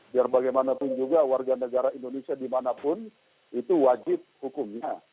biar bagaimanapun juga warga negara indonesia dimanapun itu wajib hukumnya